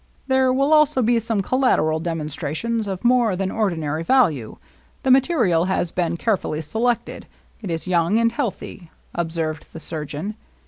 83 ^^ There will be also some collateral demonstrations of more than ordinary value. The material has been carefully selected. It is young and healthy," ob served the surgeon.